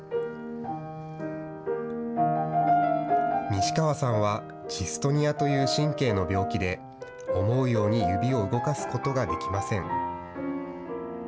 西川さんはジストニアという神経の病気で、思うように指を動かすことができません。